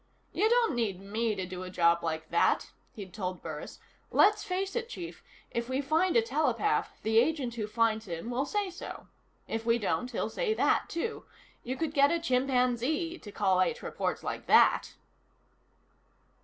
"You don't need me to do a job like that," he'd told Burris. "Let's face it, Chief: if we find a telepath the agent who finds him will say so. If we don't, he'll say that, too. You could get a chimpanzee to collate reports like that."